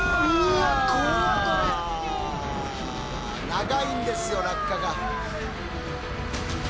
長いんですよ落下が。